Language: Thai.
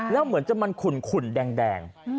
แล้วเหมือนจะมันขุ่นแดง